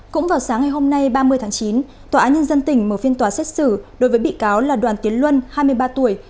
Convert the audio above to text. cũng vào sáng ngày hôm nay ba mươi tháng chín tòa án nhân dân tỉnh mở phiên tòa xét xử đối với bị cáo là đoàn tiến luân hai mươi ba tuổi